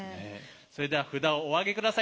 それでは札をお上げ下さい。